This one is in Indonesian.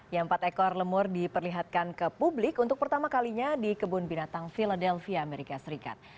yang empat ekor lemur diperlihatkan ke publik untuk pertama kalinya di kebun binatang philadelphia amerika serikat